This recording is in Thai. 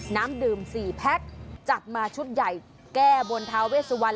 น้ำดื่มสี่แพ็คจัดมาชุดใหญ่แก้วนท้าเวทสุวรรณ